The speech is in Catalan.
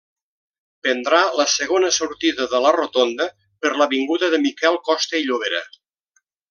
Prendrà la segona sortida de la rotonda per l'avinguda de Miquel Costa i Llobera.